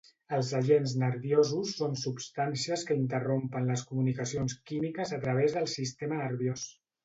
Els agents nerviosos són substàncies que interrompen les comunicacions químiques a través del sistema nerviós.